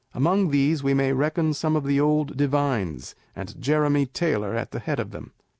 Among these we may reckon some of the old divines, and Jeremy Taylor at the head of them.